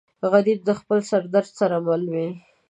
غریب د خپل درد سره مل وي